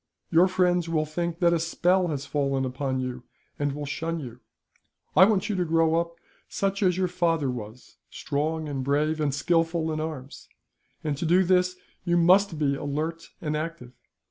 Your friends will think that a spell has fallen upon you, and will shun you. I want you to grow up such as your father was strong and brave, and skilful in arms and to do this you must be alert and active.